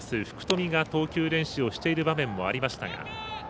福冨が投球練習をしている場面もありましたが。